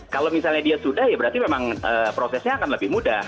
kalau misalnya dia sudah ya berarti memang prosesnya akan lebih mudah